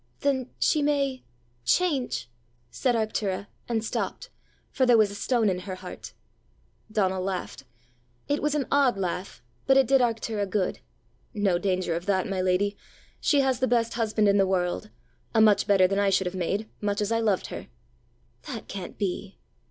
"Then she may change " said Arctura, and stopped, for there was a stone in her heart. Donal laughed. It was an odd laugh, but it did Arctura good. "No danger of that, my lady! She has the best husband in the world a much better than I should have made, much as I loved her." "That can't be!"